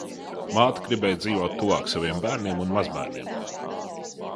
Māte gribēja dzīvot tuvāk saviem bērniem un mazbērniem.